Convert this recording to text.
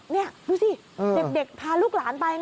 นี่ดูสิเด็กพาลูกหลานไป